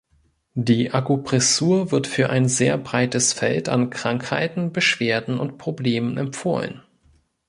Die Akupressur wird für ein sehr breites Feld an Krankheiten, Beschwerden und Problemen empfohlen.